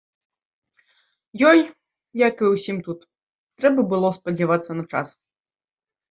Ёй, як і ўсім тут, трэба было спадзявацца на час.